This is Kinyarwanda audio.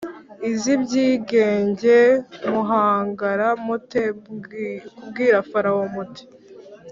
iz ibyigenge Muhangara mute kubwira Farawo muti